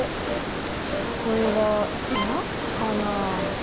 これはなすかな？